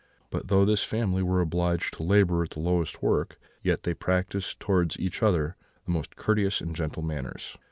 But though this family were obliged to labour at the lowest work, yet they practised towards each other the most courteous and gentle manners.